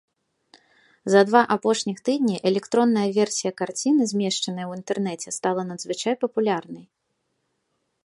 За два апошніх тыдні электронная версія карціны, змешчаная ў інтэрнэце, стала надзвычай папулярнай.